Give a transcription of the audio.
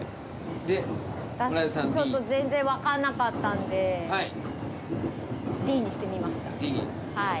で村井さん「Ｄ」。ちょっと全然分かんなかったんで「Ｄ」にしてみました。